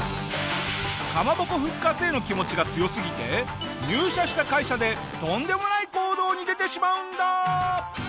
かまぼこ復活への気持ちが強すぎて入社した会社でとんでもない行動に出てしまうんだ！